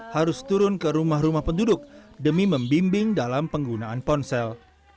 harus turun ke rumah rumah penduduk demi membimbing dalam penggunaan ponsel